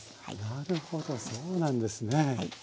なるほどそうなんですね。